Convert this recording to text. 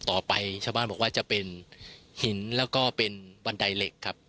ต่อไปชาวบ้านบอกว่าจะเป็นหินแล้วก็เป็นบันไดเหล็กครับ